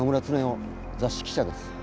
雑誌記者です。